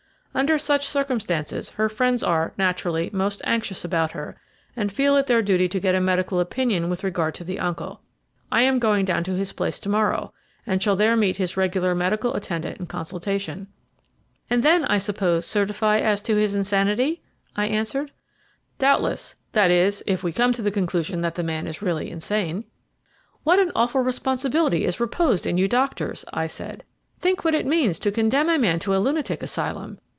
Under such circumstances, her friends are, naturally, most anxious about her, and feel it their duty to get a medical opinion with regard to the uncle. I am going down to his place to morrow, and shall there meet his regular medical attendant in consultation." "And then, I suppose, certify as to his insanity?" I answered. "Doubtless; that is, if we come to the conclusion that the man is really insane." "What an awful responsibility is reposed in you doctors!" I said. "Think what it means to condemn a man to a lunatic asylum.